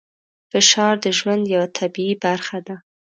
فشار د ژوند یوه طبیعي برخه ده.